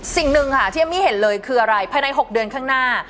สิ่งหนึ่งค่ะที่เอมมี่เห็นเลยคืออะไรภายใน๖เดือนข้างหน้า